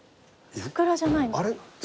桜じゃないのかな。